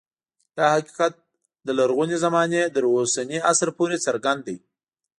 دا حقیقت له لرغونې زمانې تر اوسني عصر پورې څرګند دی